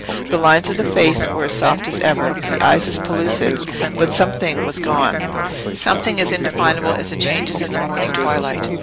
The lines of the face were as soft as ever, the eyes as pellucid; but something was gone—something as indefinable as the changes in the morning twilight.